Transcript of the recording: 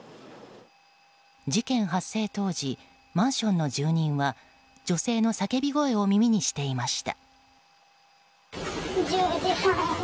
事件発生当時マンションの住人は女性の叫び声を耳にしていました。